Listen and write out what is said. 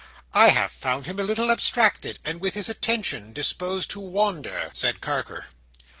"I have found him a little abstracted, and with his attention disposed to wander," said Carker.